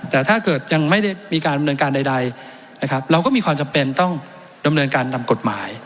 แต่ถ้าเกิดยังไม่ได้มีการดำเนินการใดนะครับเราก็มีความจำเป็นต้องดำเนินการตามกฎหมาย